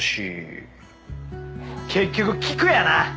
結局菊やな。